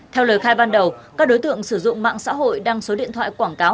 theo lời khai ban đầu các đối tượng sử dụng mạng xã hội đăng số điện thoại quảng cáo